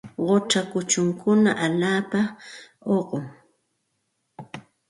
Qucha kuchunkuna allaapa uqumi.